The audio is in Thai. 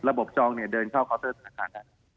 จองเนี่ยเดินเข้าเคาน์เตอร์ธนาคารได้